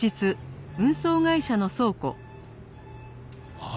ああ